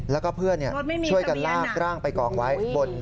แล้วก็เพื่อนช่วยการร่างไปก่อนไว้รถไม่มีทะเบียนอ่ะ